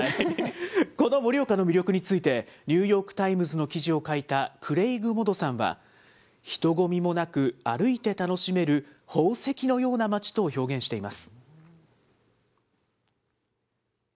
この盛岡の魅力について、ニューヨーク・タイムズの記事を書いたクレイグ・モドさんは、人混みもなく、歩いて楽しめる宝石のような町と表現しています。